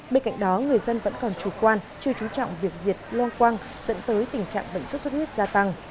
bên cạnh đó người dân vẫn còn chủ quan chưa trú trọng việc diệt loang quang dẫn tới tình trạng bệnh xuất xuất huyết gia tăng